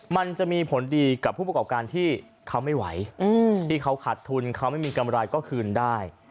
มันจะมีผลดีกับผู้ประกอบการที่เขาไม่ไหวที่เขาขาดทุนเขาไม่มีกำไรก็คืนได้